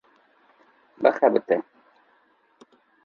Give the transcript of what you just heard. bixebite